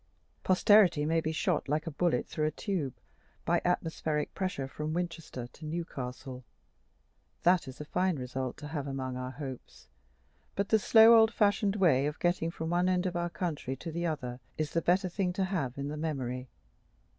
Posterity may be shot, like a bullet through a tube, by atmospheric pressure, from Winchester to Newcastle: that is a fine result to have among our hopes; but the slow, old fashioned way of getting from one end of our country to the other is the better thing to have in the memory.